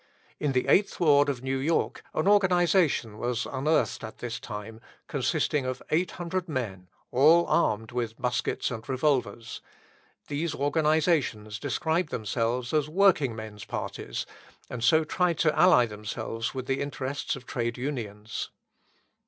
In the eighth ward of New York an organisation was unearthed at this time, consisting of 800 men, all armed with muskets and revolvers. These organisations described themselves as working men's parties, and so tried to ally themselves with the interests of trade unions.